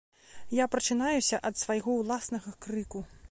Я прачынаюся ад свайго ўласнага крыку.